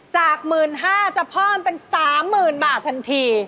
จาก๑๕๐๐บาทจะเพิ่มเป็น๓๐๐๐บาททันที